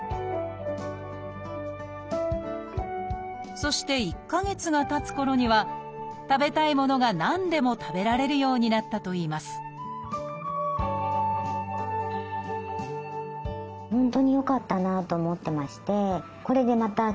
そして１か月がたつころには食べたいものが何でも食べられるようになったといいますチョイス！